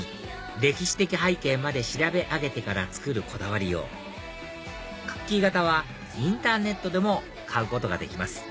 歴史的背景まで調べ上げてから作るこだわりようクッキー型はインターネットでも買うことができます